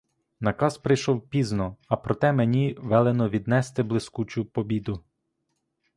Наказ прийшов пізно, а проте мені велено віднести блискучу побіду.